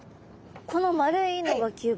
この丸いのが吸盤？